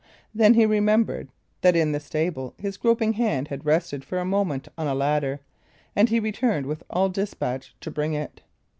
Then he remembered that, in the stable, his groping hand had rested for a moment on a ladder, and he returned with all despatch to bring it.